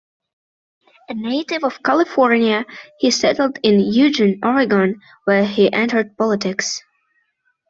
A native of California, he settled in Eugene, Oregon, where he entered politics.